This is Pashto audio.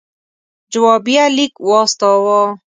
جوابیه لیک واستاوه.